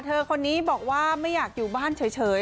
คนนี้บอกว่าไม่อยากอยู่บ้านเฉย